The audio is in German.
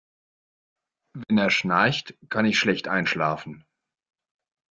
Wenn er schnarcht, kann ich schlecht einschlafen.